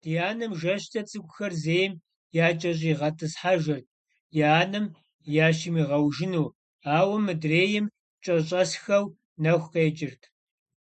Ди анэм жэщкӀэ цӀыкӀухэр зейм якӀэщӀигъэтӀысхьэжырт, я анэм ящимыгъэужыну, ауэ мыдрейм кӀэщӀэсхэу нэху къекӀырт.